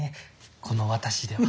この私では。